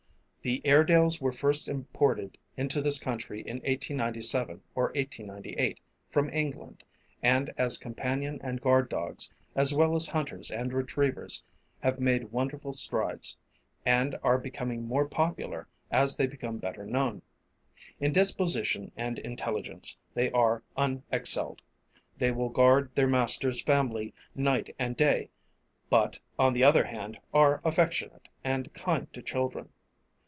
"The Airedales were first imported into this country in 1897 or 1898, from England, and as companion and guard dogs, as well as hunters and retrievers have made wonderful strides, and are becoming more popular as they become better known. In disposition and intelligence they are unexcelled. They will guard their master's family night and day, but on the other hand are affectionate and kind to children.